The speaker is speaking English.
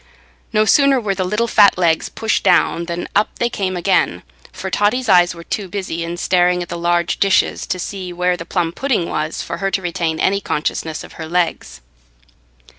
No sooner were the little fat legs pushed down than up they came again, for Totty's eyes were too busy in staring at the large dishes to see where the plum pudding was for her to retain any consciousness of her legs.